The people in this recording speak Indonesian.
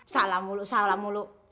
salah mulu salah mulu